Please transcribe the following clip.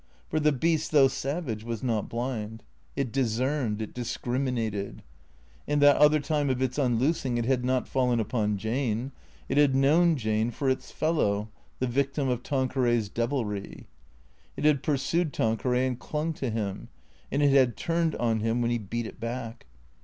For the beast, though savage, was not blind. It discerned ; it discriminated. In that other time of its unloos ing it had not fallen upon Jane; it had known Jane for its fellow, the victim of Tanqueray's devilry. It had pursued Tan queray and clung to him, and it had turned on him when he beat it back.